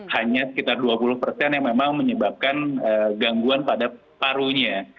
hanya sekitar dua puluh persen yang memang menyebabkan gangguan pada parunya